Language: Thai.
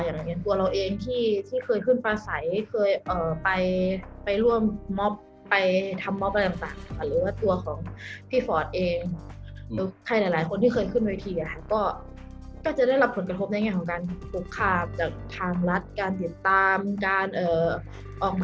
แล้วก็ในการนำเนินคดีก็